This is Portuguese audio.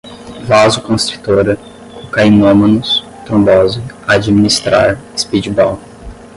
vasoconstritora, cocainômanos, trombose, administrar, speedball